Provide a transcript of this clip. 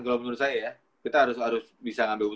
kalau menurut saya ya kita harus bisa ngambil